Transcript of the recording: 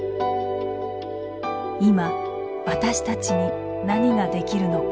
今私たちに何ができるのか。